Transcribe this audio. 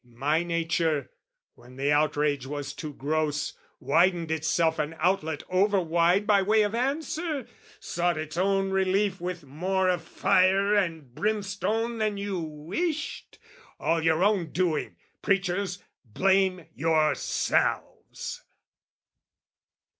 My nature, when the outrage was too gross, Widened itself an outlet over wide By way of answer? sought its own relief With more of fire and brimstone than you wished? All your own doing: preachers, blame yourselves!